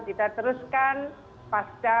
kita teruskan pasca